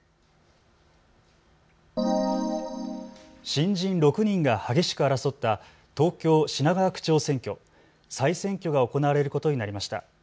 新人６人が激しく争った東京品川区長、再選挙が行われることになりました。